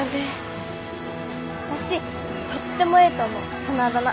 私とってもええと思うそのあだ名。